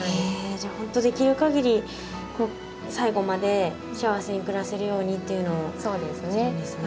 じゃあ本当できる限り最後まで幸せに暮らせるようにっていうのをするんですね。